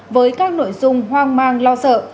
với các nội dung hoang mang lo sợ